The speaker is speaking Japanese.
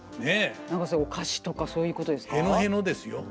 何かお菓子とかそういうことですか。